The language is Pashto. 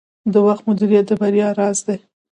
د وخت مدیریت د بریا راز دی.